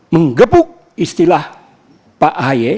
menggebuk istilah pak ahy